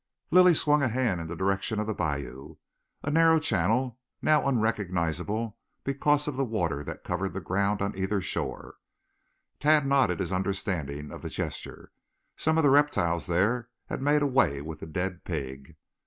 Lilly swung a hand in the direction of the bayou, a narrow channel now unrecognizable because of the water that covered the ground on either shore. Tad nodded his understanding of the gesture. Some of the reptiles there had made away with the dead pig.